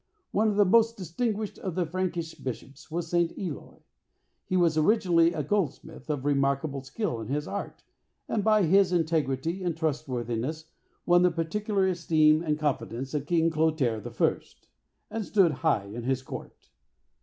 One of the most distinguished of the Frankish bishops was St. Eloy. He was originally a goldsmith of remarkable skill in his art, and by his integrity and trustworthiness won the particular esteem and confidence of King Clotaire I., and stood high in his court.